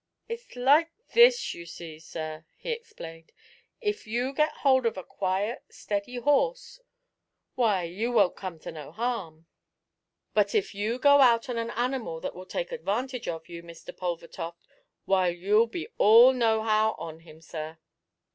'It's like this, you see, sir,' he explained, 'if you get hold of a quiet, steady horse why, you won't come to no harm; but if you go out on an animal that will take advantage of you, Mr. Pulvertoft, why, you'll be all no how on him, sir.'